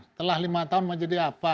setelah lima tahun mau jadi apa